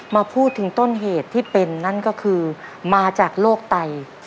มาพูดถึงต้นเหตุที่เป็นนั่นก็คือมาจากโรคไต